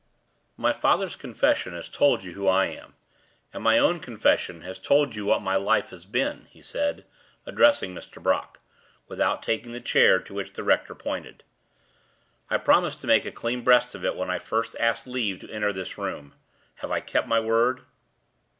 "My father's confession has told you who I am; and my own confession has told you what my life has been," he said, addressing Mr. Brock, without taking the chair to which the rector pointed. "I promised to make a clean breast of it when I first asked leave to enter this room. Have I kept my word?"